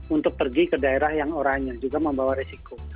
untuk pergi ke daerah yang oranye juga membawa resiko